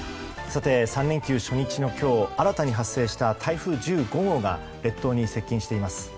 ３連休初日の今日新たに発生した台風１５号が列島に接近しています。